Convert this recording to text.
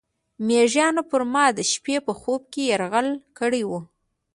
میږیانو پر ما د شپې په خوب کې یرغل کړی و.